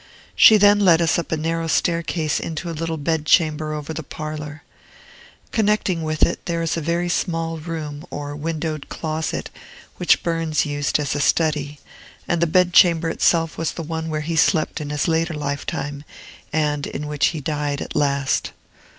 She then led us up a narrow staircase into a little bedchamber over the parlor. Connecting with it, there is a very small room, or windowed closet, which Burns used as a study; and the bedchamber itself was the one where he slept in his later lifetime, and in which he died at last.